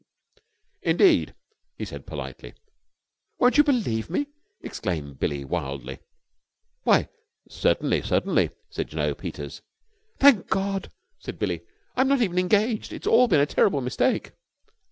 "Indeed?" he said politely. "Won't you believe me?" exclaimed Billie wildly. "Why, certainly, certainly," said Jno. Peters. "Thank God!" said Billie. "I'm not even engaged! It's all been a terrible mistake!"